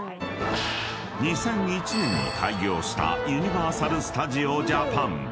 ［２００１年に開業したユニバーサル・スタジオ・ジャパン］